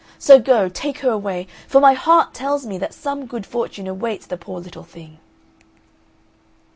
So go, take her away, for my heart tells me that some good fortune awaits the poor little thing!"